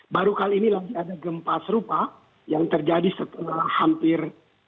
baru kali ini lagi ada gempa serupa yang terjadi setelah hampir